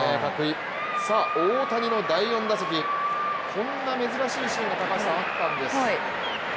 大谷の第４打席こんな珍しいシーンがあったんです。